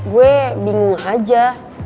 gue bingung aja